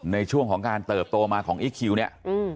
ในช่วงของการเติบโตมาของอีคคิวเนี่ย